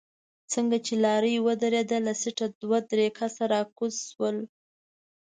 څنګه چې لارۍ ودرېده له سيټه دوه درې کسه راکوز شول.